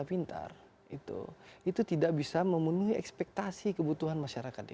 laporan dprd dki bahwa kartu jakarta pintar itu tidak bisa memenuhi ekspektasi kebutuhan masyarakat dki